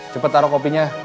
cepat taruh kopinya